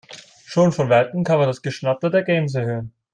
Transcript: Schon von weitem kann man das Geschnatter der Gänse hören.